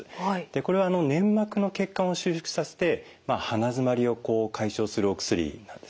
これは粘膜の血管を収縮させて鼻づまりを解消するお薬なんですね。